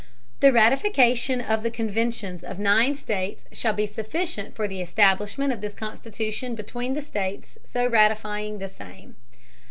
The Ratification of the Conventions of nine States, shall be sufficient for the Establishment of this Constitution between the States so ratifying the Same.